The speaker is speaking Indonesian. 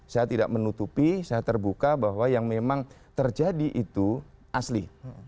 saya tidak menutupi saya terbuka bahwa yang memang terjadi itu asli